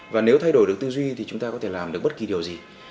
và nếu thay đổi được tư duy thì chúng ta có thể làm được bất kỳ điều gì